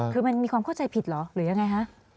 คือมันมีความเข้าใจผิดเหรอหรือยังไงฮะ